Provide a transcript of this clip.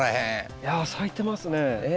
いや咲いてますね。